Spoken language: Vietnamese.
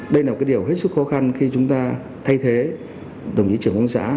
đây là một cái điều hết sức khó khăn khi chúng ta thay thế đồng chí trưởng quân xã